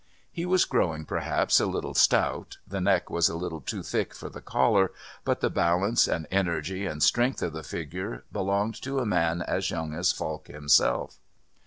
He was growing perhaps a little stout, the neck was a little too thick for the collar, but the balance and energy and strength of the figure belonged to a man as young as Falk himself....